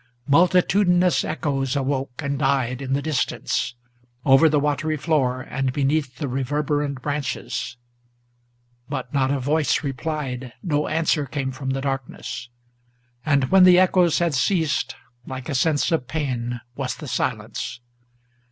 Multitudinous echoes awoke and died in the distance, Over the watery floor, and beneath the reverberant branches; But not a voice replied; no answer came from the darkness; And, when the echoes had ceased, like a sense of pain was the silence.